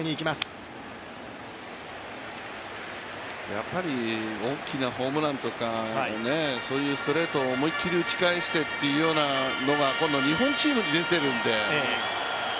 やっぱり大きなホームランとか、そういうストレートを思い切り打ち返してというのが今度日本チームに出ているので。